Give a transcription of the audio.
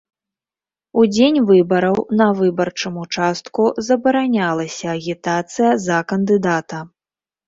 У дзень выбараў на выбарчым участку забаранялася агітацыя за кандыдата.